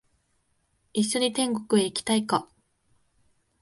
一緒に天国へ行きたいか？